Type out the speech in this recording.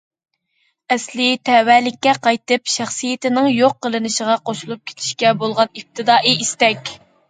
ئەسلى تەۋەلىككە قايتىپ، شەخسىيىتىنىڭ يوق قىلىنىشىغا، قوشۇلۇپ كېتىشكە بولغان ئىپتىدائىي ئىستەك.